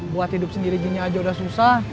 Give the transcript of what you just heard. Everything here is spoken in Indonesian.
buat hidup sendiri gini aja udah susah